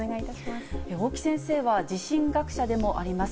大木先生は地震学者でもあります。